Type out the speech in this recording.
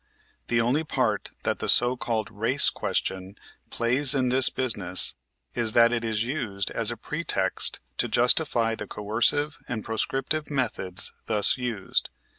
The only part that the so called Race Question plays in this business is that it is used as a pretext to justify the coercive and proscriptive methods thus used.